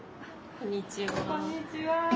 こんにちは。